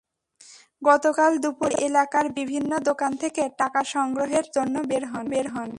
গতকাল দুপুরের দিকে এলাকার বিভিন্ন দোকান থেকে টাকা সংগ্রহের জন্য বের হন।